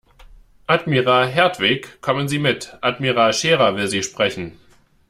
Admiral Hertwig, kommen Sie mit, Admiral Scherer will Sie sprechen.